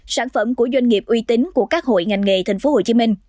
sản phẩm của doanh nghiệp uy tín của các hội ngành nghề tp hcm